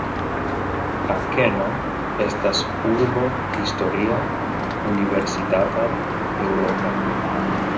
Akeno estas urbo historia, universitata, eŭropa.